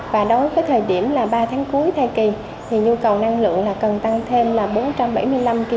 và đối với thời điểm ba tháng cuối thai kỳ thì nhu cầu năng lượng cần tăng thêm là bốn trăm bảy mươi năm kcal trên một ngày